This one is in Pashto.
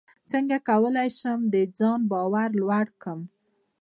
څنګه کولی شم د ځان باور لوړ کړم